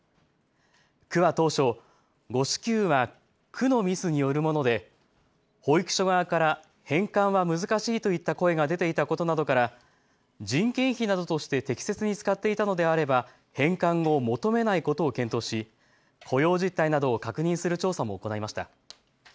区は当初、誤支給は区のミスによるもので保育所側から返還は難しいといった声が出ていたことなどから人件費などとして適切に使っていたのであれば返還を求めないことを検討し雇用実態などを確認する調査を行いました。